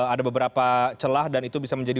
ada beberapa celah dan itu bisa menjadi